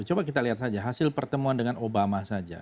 coba kita lihat saja hasil pertemuan dengan obama saja